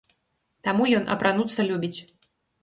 Таму ён апрануцца любіць.